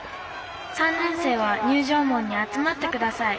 ３年生は入場門に集まってください」。